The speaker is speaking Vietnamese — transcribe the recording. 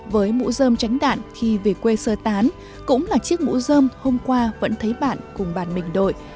với mũ rơm tránh đạn khi về quê sơ tán cũng là chiếc mũ rơm hôm qua vẫn thấy bạn cùng bàn bình đội